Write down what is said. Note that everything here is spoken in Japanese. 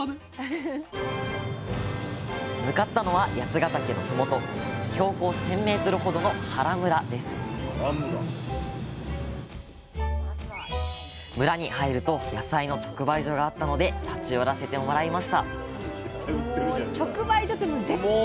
向かったのは八ヶ岳のふもと標高１，０００ｍほどの原村です村に入ると野菜の直売所があったので立ち寄らせてもらいましたスタジオもう直売所って絶対行きたいですよね。